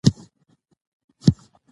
نه، ځینې وختونه عطر لازمي وي.